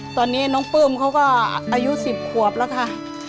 ตอนนี้น้องปลื้มเขาก็อายุ๑๐ขวบแล้วค่ะ